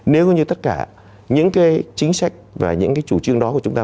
nếu như tất cả những chính sách và những chủ trương đó của chúng ta